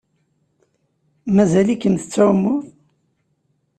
Mazal-ikem tettɛummuḍ?